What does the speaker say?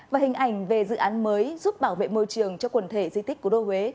và hình ảnh về dự án mới giúp bảo vệ môi trường cho quần thể di tích cố đô huế